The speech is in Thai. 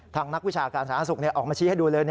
นักวิชาการสาธารณสุขออกมาชี้ให้ดูเลย